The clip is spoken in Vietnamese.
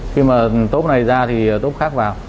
khi mà tốp này ra thì tốp khác vào